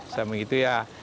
sama gitu ya